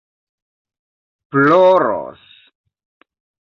ploros